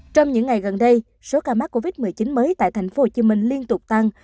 trong những ngày gần đây số ca mắc covid một mươi chín mới tại tp hcm liên tục tăng